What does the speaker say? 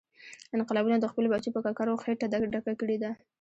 انقلابونو د خپلو بچو په ککرو خېټه ډکه کړې ده.